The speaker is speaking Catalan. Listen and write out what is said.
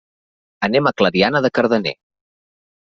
Anem a Clariana de Cardener.